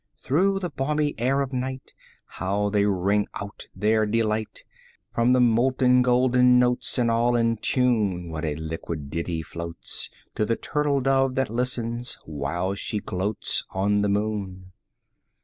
Through the balmy air of night How they ring out their delight! From the molten golden notes, 20 And all in tune, What a liquid ditty floats To the turtle dove that listens, while she gloats On the moon!